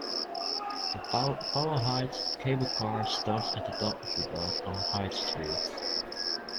The Powell-Hyde cable car stops at the top of the block on Hyde Street.